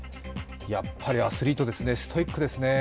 やっぱりアスリートですねストイックですね。